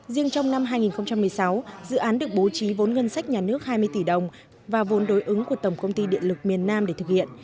riêng trong năm hai nghìn một mươi sáu dự án được bố trí vốn ngân sách nhà nước hai mươi tỷ đồng và vốn đối ứng của tổng công ty điện lực miền nam để thực hiện